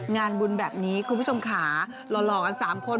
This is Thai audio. งานบุญแบบนี้คุณผู้ชมค่ะหล่อกัน๓คน